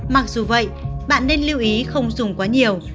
mặc dù vậy bạn nên lưu ý không dùng quá nhiều